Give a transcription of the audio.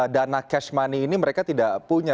dana cash money ini mereka tidak punya